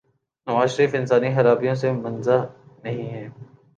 نوازشریف انسانی خرابیوں سے منزہ نہیں ہیں۔